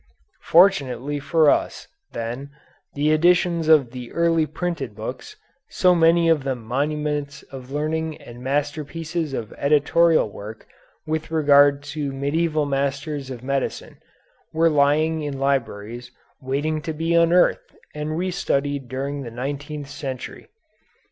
Fortunately for us, then, the editions of the early printed books, so many of them monuments of learning and masterpieces of editorial work with regard to medieval masters of medicine, were lying in libraries waiting to be unearthed and restudied during the nineteenth century.